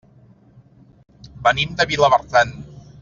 Venim de Vilabertran.